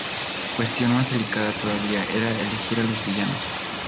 Cuestión más delicada todavía era elegir a los villanos.